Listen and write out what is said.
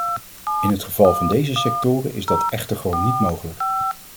In het geval van deze sectoren is dat echter gewoon niet mogelijk.